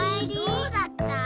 どうだった？